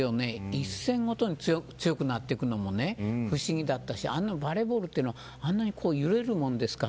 一戦ごとに強くなっていくのも不思議だったしバレーボールはあんなに揺れるものですか。